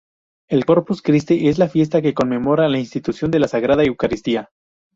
El Corpus Christi es la fiesta que conmemora la institución de la sagrada Eucaristía.